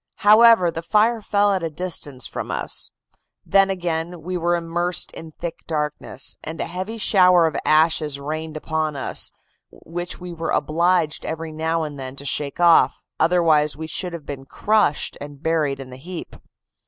However, the fire fell at distance from us; then again we were immersed in thick darkness, and a heavy shower of ashes rained upon us, which we were obliged every now and then to shake off, otherwise we should have been crushed and buried in the heap.